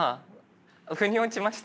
ふに落ちました。